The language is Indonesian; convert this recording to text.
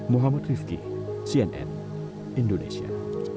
muhammad rifqi cnn indonesia